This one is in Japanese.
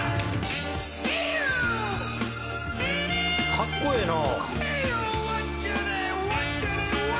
かっこええな。